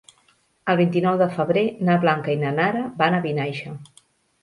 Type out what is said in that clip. El vint-i-nou de febrer na Blanca i na Nara van a Vinaixa.